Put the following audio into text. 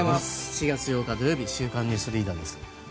４月８日、土曜日「週刊ニュースリーダー」です。